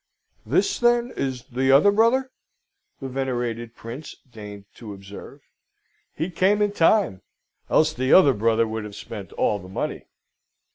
"This, then, is the other brother?" the Venerated Prince deigned to observe. "He came in time, else the other brother would have spent all the money.